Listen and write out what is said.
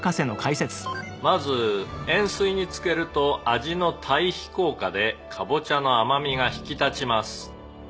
「まず塩水につけると味の対比効果でカボチャの甘みが引き立ちます」